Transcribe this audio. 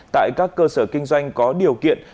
tại các cơ sở kinh doanh có điều kiện